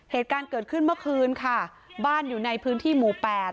เหตุการณ์เกิดขึ้นเมื่อคืนค่ะบ้านอยู่ในพื้นที่หมู่แปด